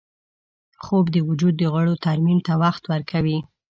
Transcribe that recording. خوب د وجود د غړو ترمیم ته وخت ورکوي